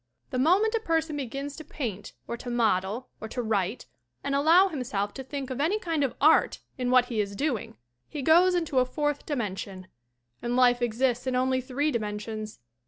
The moment a person begins to paint or to model or to write and allow himself to think of any kind of art in what he is doing, he goes into a fourth dimension and life exists in only three dimen sions.